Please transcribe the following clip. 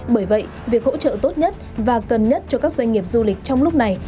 bởi vậy việc hỗ trợ tốt nhất và cần nhất cho các doanh nghiệp du lịch trong lúc này